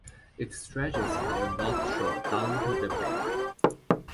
It stretches from the North Shore down to the bay.